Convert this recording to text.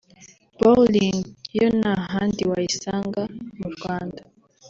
“bowling” yo nta handi wayisanga mu Rwanda”